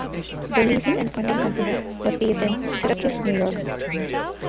The leasing and funding company was based in Syracuse, New York.